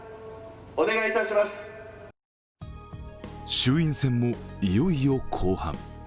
衆院選もいよいよ後半。